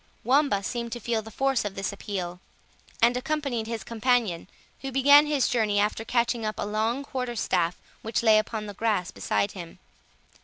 Wamba seemed to feel the force of this appeal, and accompanied his companion, who began his journey after catching up a long quarter staff which lay upon the grass beside him.